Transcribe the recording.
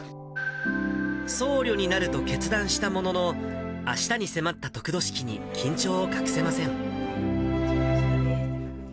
僧侶になると決断したものの、あしたに迫った得度式に緊張を隠せません。